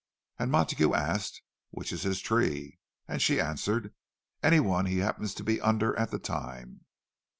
And Montague asked, "Which is his tree?" and she answered, "Any one he happens to be under at the time."